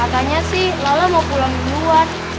makanya sih lala mau pulang duluan